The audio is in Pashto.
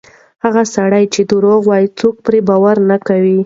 هغه سړی چې درواغ وایي، څوک پرې باور نه کوي.